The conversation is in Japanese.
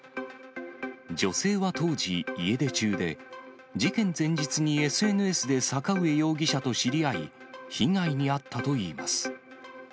女性は当時、家出中で、事件前日にＳＮＳで阪上容疑者と知り合い、被害に遭ったといいます。